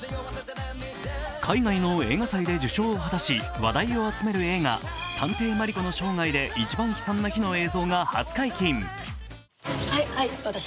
海外の映画祭で受賞を果たし話題を集める映画「探偵マリコの生涯で一番悲惨な日」の映像が初解禁。